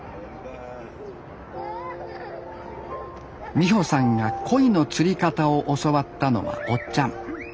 美帆さんがコイの釣り方を教わったのはおっちゃん。